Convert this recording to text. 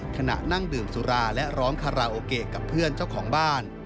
ขณะนั่งดื่มสุราและร้องคาราโอเกะกับเพื่อนเจ้าของบ้าน